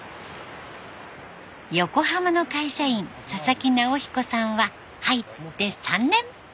横浜の会社員佐々木直彦さんは入って３年。